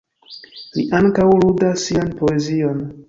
Li ankaŭ ludas sian poezion.